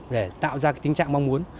để tạo ra tính trạng mong muốn